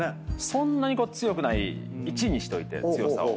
そんなに強くない１にしといて強さを。